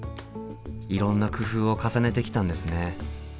いろんな工夫を重ねてきたんですね。